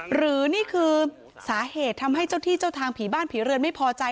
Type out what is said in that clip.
หรือนี่คือสาเหตุทำให้เจ้าที่เจ้าทางผีบ้านผีเรือนไม่พอใจ